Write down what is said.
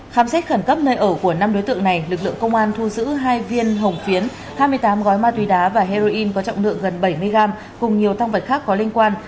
khám xét khẩn cấp nơi ở của năm đối tượng này lực lượng công an thu giữ hai viên hồng phiến hai mươi tám gói ma túy đá và heroin có trọng lượng gần bảy mươi gram cùng nhiều tăng vật khác có liên quan